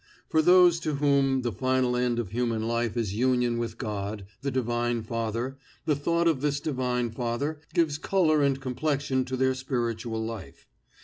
For those to whom the final end of human life is union with God, the Divine Father, the thought of this Divine Father gives color and complexion to their spiritual life.